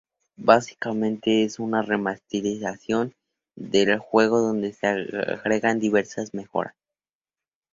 Básicamente es una "Remasterización" del juego donde se agregan diversas mejoras.